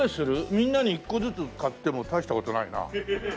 みんなに一個ずつ買っても大した事ないな。